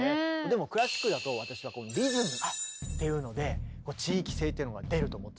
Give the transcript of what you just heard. でもクラシックだと私はリズムっていうので地域性っていうのが出ると思ってて。